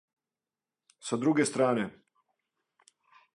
Са друге стране!